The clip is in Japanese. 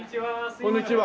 こんにちは。